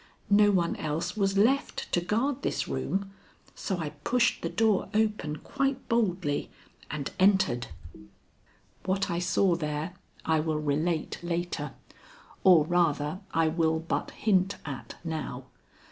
No one else was left to guard this room, so I pushed the door open quite boldly and entered. What I saw there I will relate later, or, rather, I will but hint at now.